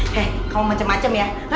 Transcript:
hei kamu macem macem ya